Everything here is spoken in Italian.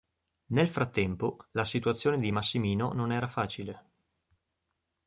Nel frattempo, la situazione di Massimino non era facile.